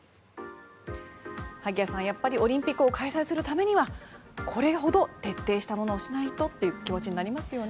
萩谷さん、やっぱりオリンピックを開催するためにはこれほど徹底したものをしないとという気持ちになりますね。